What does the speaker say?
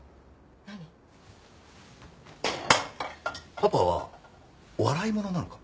パパは笑い物なのか？